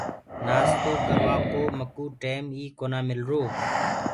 نآستو ڪروآ ڪو مڪوُ ٽيم ئي ڪونآ مِلرو۔